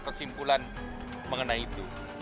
kesimpulan mengenai itu